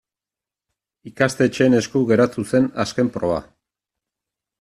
Ikastetxeen esku geratu zen azken proba.